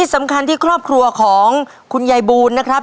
สำคัญที่ครอบครัวของคุณยายบูลนะครับ